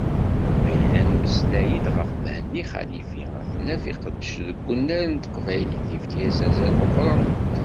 Ma yella nemmeslay-d ɣef Mhenni Xalifi, ad t-naf iqeddec deg unnar n teqbaylit, yefka-as azal meqqṛen.